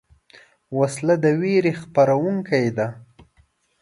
وسله د ویرې خپرونکې ده